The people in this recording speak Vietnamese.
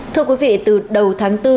thưa quý vị từ đầu tháng bốn